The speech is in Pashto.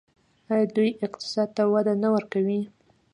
آیا دوی اقتصاد ته وده نه ورکوي؟